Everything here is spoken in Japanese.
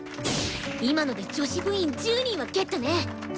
今ので女子部員１０人はゲットね！